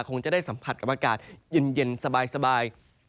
คงจะได้สัมผัสกับอากาศเย็นสบาย